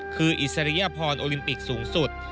คืออิสริยพรโอลิมปิกสูงสุด